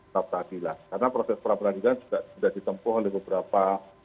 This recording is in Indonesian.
tata adilan karena proses peradilan sudah ditempuh oleh beberapa